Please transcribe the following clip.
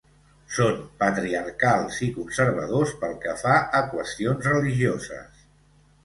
Són patriarcals i conservadors pel que fa a qüestions religioses.